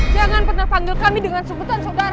jangan pernah panggil kami dengan sebutan saudara